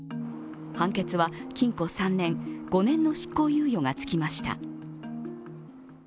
判決は禁錮３年、５年の執行猶予がつきました。